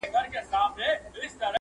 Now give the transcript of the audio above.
چي د مغولو له بیرغ څخه کفن جوړوي.!